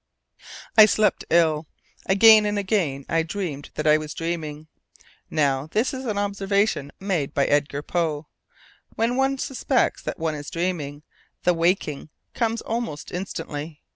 I slept ill. Again and again I "dreamed that I was dreaming." Now this is an observation made by Edgar Poe when one suspects that one is dreaming, the waking comes almost instantly.